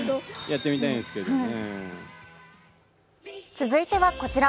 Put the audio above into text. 続いてはこちら。